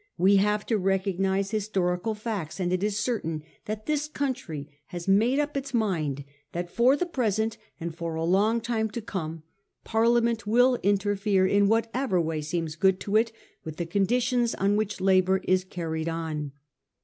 "We have to recognise historical facts ; and it is certain that this country has made up its mind that for the present and for a long time to come Parliament will interfere in whatever way seems good to it with the conditions on which labour is carried on.